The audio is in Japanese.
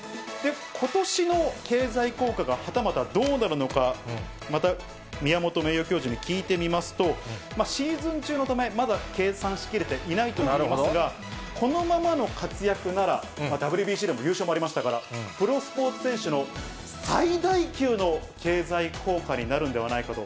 ことしの経済効果がはたまたどうなるのか、また宮本名誉教授に聞いてみますと、シーズン中のため、まだ計算しきれていないといいますが、このままの活躍なら、ＷＢＣでも優勝もありましたから、プロスポーツ選手の最大級の経済効果になるんではないかと。